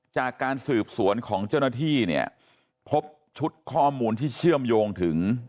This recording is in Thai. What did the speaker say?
จากการสืบสวนของเจ้าหน้าที่เนี่ยพบชุดข้อมูลที่เชื่อมโยงถึง